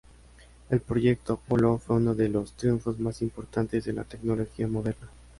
El Proyecto Apolo fue uno de los triunfos más importantes de la tecnología moderna.